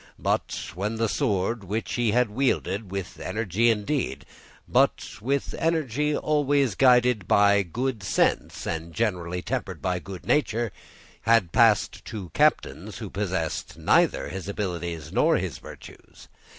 But, when the sword, which he had wielded, with energy indeed, but with energy always guided by good sense and generally tempered by good nature, had passed to captains who possessed neither his abilities nor his virtues.